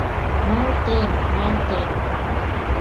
Малтем, малтем.